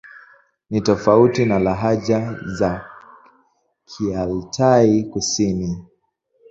Ni tofauti na lahaja za Kialtai-Kusini.